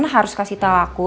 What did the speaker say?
harus kasih tau aku